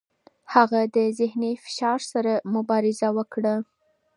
هغه د ذهني فشار سره مبارزه وکړه.